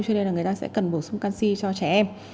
cho nên là người ta sẽ cần bổ sung canxi cho trẻ em